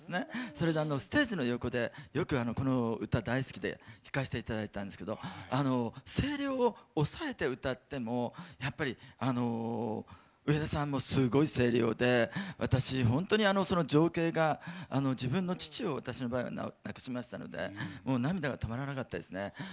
それでステージの横でよくこの歌、大好きで聴かせていただいたんですけど声量を抑えて歌ってもやっぱり、上田さんもすごい声量で私、本当に情景が、自分の父を私の場合、亡くしましたので涙が止まらなかったです。